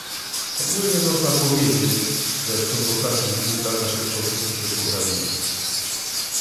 Ogólnie można powiedzieć, że w ciągu ostatnich dwóch lat nasze stosunki się poprawiły